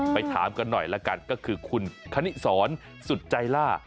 ไปถามกันหน่อยแล้วกันก็คือคุณคณิศรสุจัยล่า